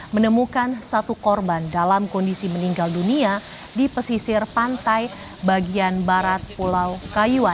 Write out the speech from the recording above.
menemukan satu korban dalam kondisi meninggal dunia di pesisir pantai bagian barat pulau kayu